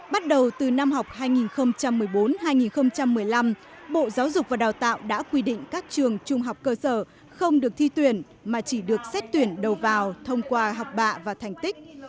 bắt đầu từ năm học hai nghìn một mươi bốn hai nghìn một mươi năm bộ giáo dục và đào tạo đã quy định các trường trung học cơ sở không được thi tuyển mà chỉ được xét tuyển đầu vào thông qua học bạ và thành tích